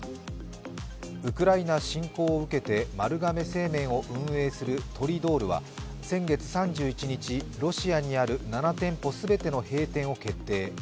ウクライナ侵攻を受けて丸亀製麺を運営するトリドールは先月３１日、ロシアにある７店舗全ての閉店を決定。